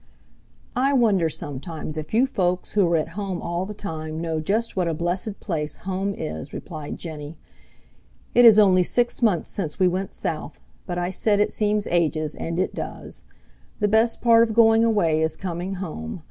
"I wonder sometimes if you folks who are at home all the time know just what a blessed place home is," replied Jenny. "It is only six months since we went south, but I said it seems ages, and it does. The best part of going away is coming home.